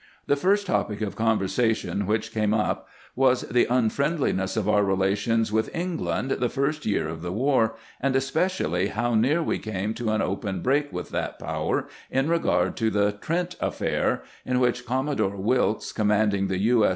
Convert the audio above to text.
The first topic of conversation which came up was the unfriendliness of our relations with England the first year of the war, a.nd especially how near we came to an open break with that power in regard to the " Trent affair," in which Commodore Wilkes, command ing the U.